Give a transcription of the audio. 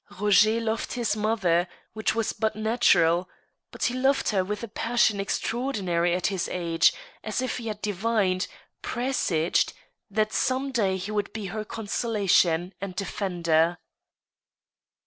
Roger loved his mother, which was but natural, but he loved her with a passion extraordinary at his age, as if he had divined — pre saged — that some day he would be her consolation and defender.